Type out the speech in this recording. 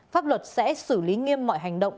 pháp luật sẽ xử lý nghiêm mọi hành động